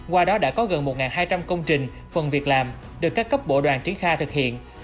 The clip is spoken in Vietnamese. qua đó đã có gần một hai trăm linh công trình phần việc làm được các cấp bộ đoàn triển khai thực hiện